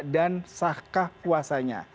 dan sahkah puasanya